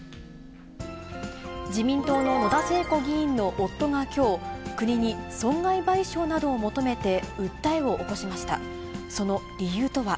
自民党の野田聖子議員の夫がきょう、国に損害賠償などを求めて訴えを起こしました。